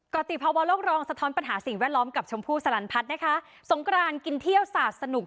กรติภาวะโลกรองสะท้อนปัญหาสิ่งแวดล้อมกับชมพู่สลันพัฒน์นะคะสงกรานกินเที่ยวสาดสนุก